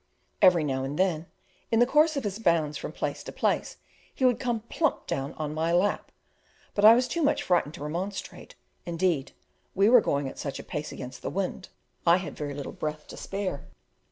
Every now and then, in the course of his bounds from place to place, he would come plump down on my lap; but I was too much frightened to remonstrate; indeed, we were going at such a pace against the wind, I had very little breath to spare.